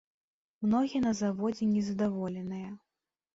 Многія на заводзе незадаволеныя.